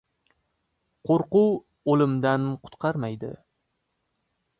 • Qo‘rquv o‘limdan qutqarmaydi.